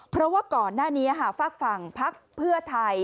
เพราะว่าก่อนหน้านี้ฝากฝั่งพักเพื่อไทย